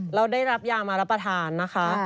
แล้วได้รับยามารับประทานนะคะ